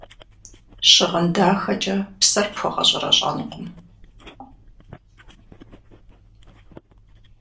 Щыгъын дахэкӏэ псэр пхуэгъэщӏэрэщӏэнукъым.